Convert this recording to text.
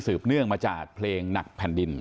เนื่องมาจากเพลงหนักแผ่นดิน